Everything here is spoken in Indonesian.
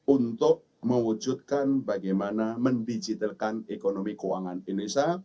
untuk mewujudkan bagaimana mendigitalkan ekonomi keuangan indonesia